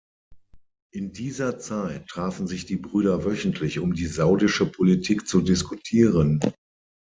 In dieser Zeit trafen sich die Brüder wöchentlich, um die saudische Politik zu diskutieren.